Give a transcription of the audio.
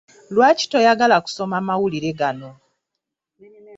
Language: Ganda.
Lwaki toyagala kusoma mawulire gano?